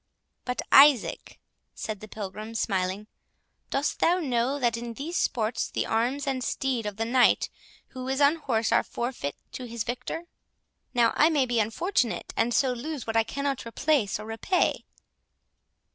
"But, Isaac," said the Pilgrim, smiling, "dost thou know that in these sports, the arms and steed of the knight who is unhorsed are forfeit to his victor? Now I may be unfortunate, and so lose what I cannot replace or repay."